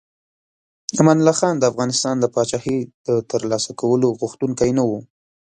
امان الله خان د افغانستان د پاچاهۍ د ترلاسه کولو غوښتونکی نه و.